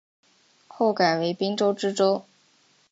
后改为滨州知州。